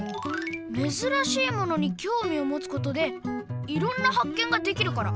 めずらしいものにきょうみをもつことでいろんなはっけんができるから！